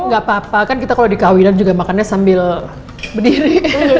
gapapa kan kita kalo dikawinan juga makannya sambil berdiri